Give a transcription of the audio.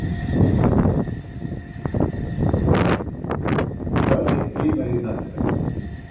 Да ли их примају натраг?